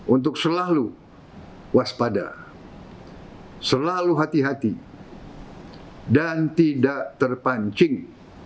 untuk selalu waspada selalu hati hati dan tidak terpancing